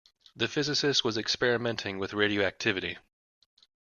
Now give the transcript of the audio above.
The physicist was experimenting with radioactivity.